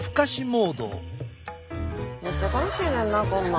めっちゃ楽しいねんなこんなん。